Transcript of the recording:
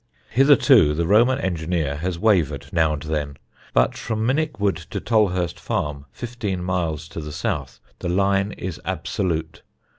Hitherto the Roman engineer has wavered now and then, but from Minnickwood to Tolhurst Farm, fifteen miles to the south, the line is absolute.